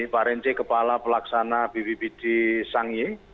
pak rnc kepala pelaksana bbb di sangye